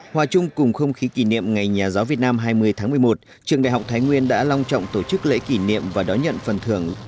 hòa chung cùng không khí kỷ niệm ngày nhà giáo việt nam hai mươi tháng một mươi một trường đại học thái nguyên đã long trọng tổ chức lễ kỷ niệm và đón nhận phần thưởng